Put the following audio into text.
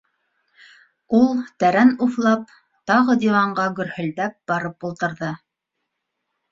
Ул, тәрән уфлап, тағы диванға гөрһөлдәп барып ултырҙы.